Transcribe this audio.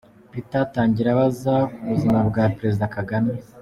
Peter atangira abaza ku buzima bwa Perezida Kagame.